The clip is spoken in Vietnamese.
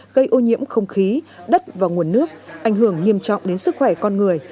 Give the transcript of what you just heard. gây ô nhiễm không khí đất và nguồn nước ảnh hưởng nghiêm trọng đến sức khỏe con người